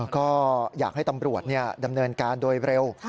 ก็อยากให้ตำรวจดำเนินการโดยเร็ว